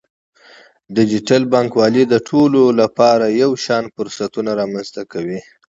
ډیجیټل بانکوالي د ټولو لپاره یو شان فرصتونه رامنځته کوي.